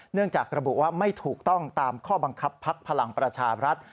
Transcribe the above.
เนื่องจากระบุว่าไม่ถูกต้องตามข้อบังคับพักพลังประชาบรัฐ